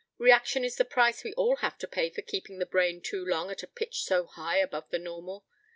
Reaction is the price we all have to pay for keeping the brain too long at a pitch so high above the normal.